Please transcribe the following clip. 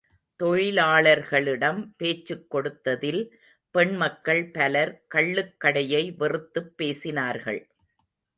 தொழிலாளர்களிடம் பேச்சுக் கொடுத்ததில் பெண் மக்கள் பலர் கள்ளுக் கடையை வெறுத்துப் பேசினார்கள்.